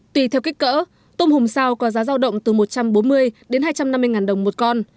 tùy theo kích cỡ tôm hùm sao có giá giao động từ một trăm bốn mươi đến hai trăm năm mươi ngàn đồng một con